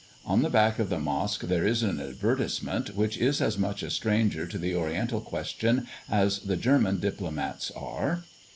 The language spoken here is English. On the back of the mosque there is an advertisement, which is as much a stranger to the Oriental question as the German diplomates are.